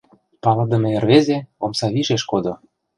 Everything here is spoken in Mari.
Палыдыме рвезе омса вишеш кодо.